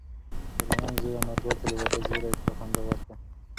د لونګ زوی انارګل ته د واده زېری په خندا ورکړ.